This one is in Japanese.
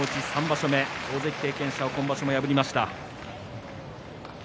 ３場所目、大関経験者を今場所も破りました。